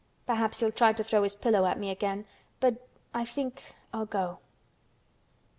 Perhaps he'll try to throw his pillow at me again, but—I think—I'll go."